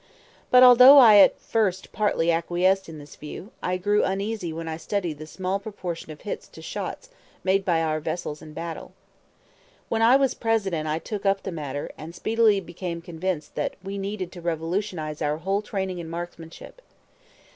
But although I at first partly acquiesced in this view, I grew uneasy when I studied the small proportion of hits to shots made by our vessels in battle. When I was President I took up the matter, and speedily became convinced that we needed to revolutionize our whole training in marksmanship.